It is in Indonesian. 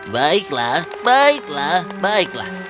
baiklah baiklah baiklah